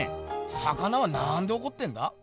魚はなんでおこってんだ？